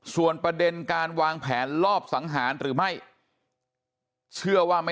ส่วนประเด็นการวางแผนลอบสังหารหรือไม่เชื่อว่าไม่